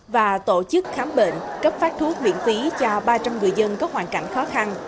và tổ chức khám bệnh cấp phát thuốc miễn phí cho ba trăm linh người dân có hoàn cảnh khó khăn